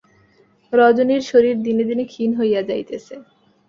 রজনীর শরীর দিনে দিনে ক্ষীণ হইয়া যাইতেছে।